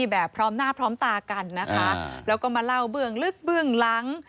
แบบพร้อมหน้าพร้อมตากันนะคะแล้วก็มาเล่าเบื้องลึกเบื้องหลัง